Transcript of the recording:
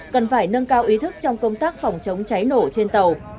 cần phải nâng cao ý thức trong công tác phòng chống cháy nổ trên tàu